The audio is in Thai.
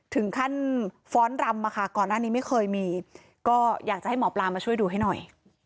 ถึงขั้นฟ้อนรำมาค่ะก่อนหน้านี้ไม่เคยมีก็อยากจะให้หมอปลามาช่วยดูให้หน่อย